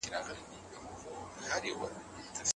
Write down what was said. د دولت فعاليتونه ګټور ثابت سوي وو.